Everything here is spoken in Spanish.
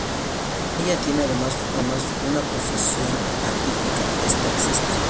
Ella tiene además una profesión atípica: es taxista.